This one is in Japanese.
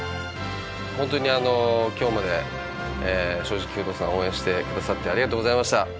本当に今日まで「正直不動産」を応援してくださってありがとうございました。